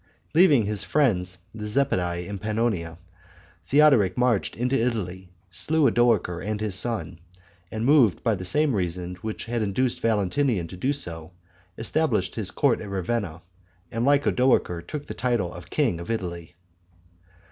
Leaving his friends the Zepidi in Pannonia, Theodoric marched into Italy, slew Odoacer and his son, and, moved by the same reasons which had induced Valentinian to do so, established his court at Ravenna, and like Odoacer took the title of king of Italy.